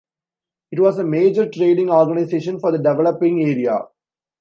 It was a major trading organization for the developing area.